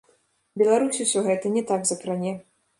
Беларусь усё гэта не так закране.